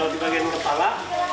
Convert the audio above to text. kalau di bagian kepala